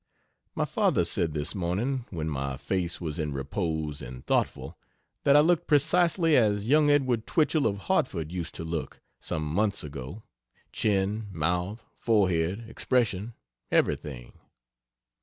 My father said, this morning, when my face was in repose and thoughtful, that I looked precisely as young Edward Twichell of Hartford used to look some is months ago chin, mouth, forehead, expression everything.